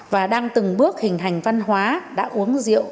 và đang từng bước hình hành văn hóa đã uống rượu